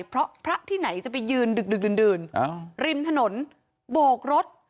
เพราะพระที่ไหนจะไปยืนดึกดื่นริมถนนโบกรถ